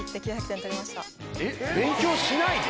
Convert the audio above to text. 勉強しないで？